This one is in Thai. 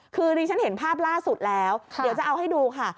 คือดิฉันเห็นภาพล่าสุดแล้วเดี๋ยวจะเอาให้ดูค่ะ